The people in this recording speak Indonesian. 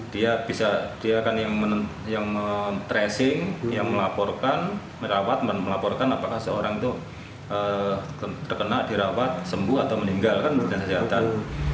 dia akan yang tracing yang melaporkan merawat melaporkan apakah seorang itu terkena dirawat sembuh atau meninggal kan di dinas kesehatan